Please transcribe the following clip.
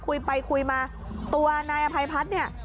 คุยไปคุยมาตัวนายอภัยพัฒน์เนี่ย